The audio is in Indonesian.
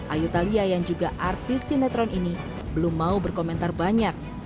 ayu thalia yang juga artis sinetron ini belum mau berkomentar banyak